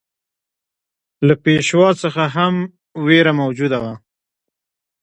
له پېشوا څخه هم وېره موجوده وه.